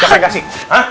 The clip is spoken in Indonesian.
siapa yang ngasih